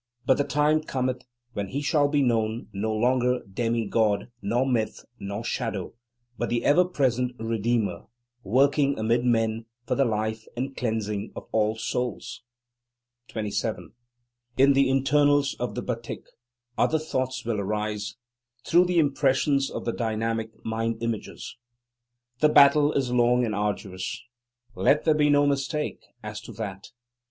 But the time cometh, when he shall be known, no longer demi god, nor myth, nor shadow, but the ever present Redeemer, working amid men for the life and cleansing of all souls. 27. In the internals of the batik, other thoughts will arise, through the impressions of the dynamic mind images. The battle is long and arduous. Let there be no mistake as to that.